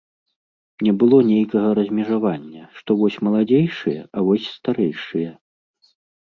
Не было нейкага размежавання, што вось маладзейшыя, а вось старэйшыя.